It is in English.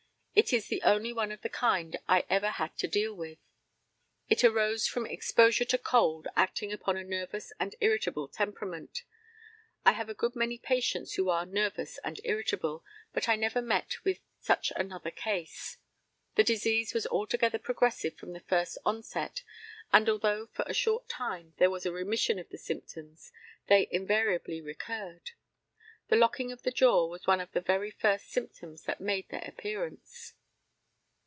It is the only one of the kind I ever had to deal with. It arose from exposure to cold acting upon a nervous and irritable temperament. I have a good many patients who are nervous and irritable, but I never met with such another case. The disease was altogether progressive from the first onset, and, although for a short time there was a remission of the symptoms, they invariably recurred. The locking of the jaw was one of the very first symptoms that made their appearance.